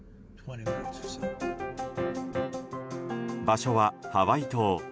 場所はハワイ島。